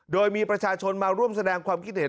โดยมีประชาชนมาร่วมแสดงความคิดเห็น